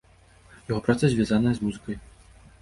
Яго праца звязаная з музыкай.